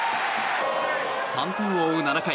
３点を追う７回。